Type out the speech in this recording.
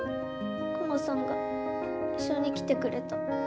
クマさんが一緒に来てくれた。